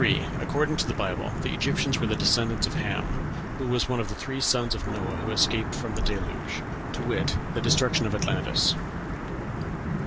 According to the Bible, the Egyptians were descendants of Ham, who was one of the three sons of Noah who escaped from the Deluge, to wit, the destruction of Atlantis.